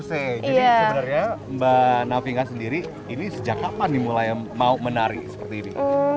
jadi sebenarnya mba navinga sendiri ini sejak kapan dimulai mau menari seperti ini